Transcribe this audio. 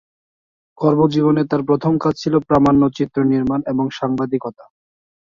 কর্মজীবনে তার প্রথম কাজ ছিল প্রামাণ্যচিত্র নির্মাণ এবং সাংবাদিকতা।